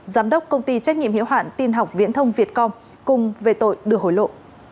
giám đốc công ty trách nhiệm hiếu hạn tiên học viễn thông việtcom cùng về tội được hối lộ